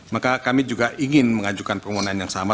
maka kami juga ingin mengajukan permohonan yang sama